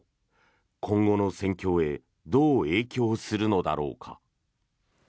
今後の戦況へどう影響するのだろうか。